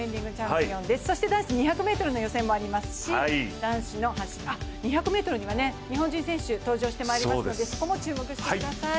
男子２００ｍの予選もありますし、２００ｍには日本人選手、登場してまいりますのでここも注目してください。